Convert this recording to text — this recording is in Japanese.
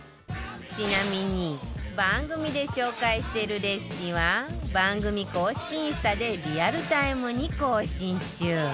ちなみに番組で紹介してるレシピは番組公式インスタでリアルタイムに更新中